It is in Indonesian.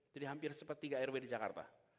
jadi hampir sempat tiga airway di jakarta